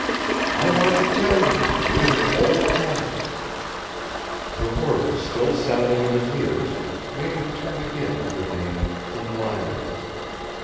"I want to tell you you are an old ass." The words still sounding in his ears made him turn again to the name Plinlimon.